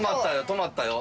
止まったよ。